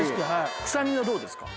臭みはどうですか？